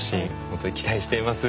本当に期待しています。